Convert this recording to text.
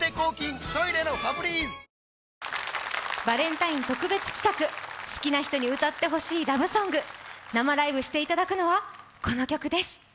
バレンタイン特別企画、好きな人に歌ってほしいラブソング、生ライブしていただくのはこの曲です。